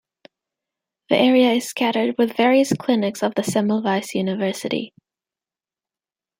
The area is scattered with various clinics of the Semmelweis University.